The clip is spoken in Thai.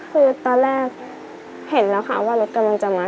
คือตอนแรกเห็นแล้วค่ะว่ารถกำลังจะมา